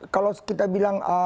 kalau kita bilang